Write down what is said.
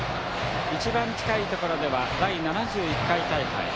一番近いところでは第７１回大会。